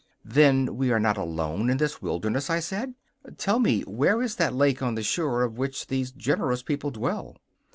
'Then we are not alone in this wilderness,' I said. 'Tell me where is that lake on the shore of which these generous people dwell?